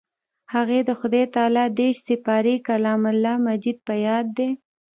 هغې د خدای تعالی دېرش سپارې کلام الله مجيد په ياد دی.